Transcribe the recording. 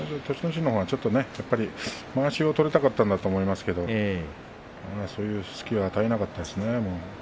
心のほうは、ちょっとまわしを取りたかったんだと思いますけれどもそういう隙を与えなかったですね。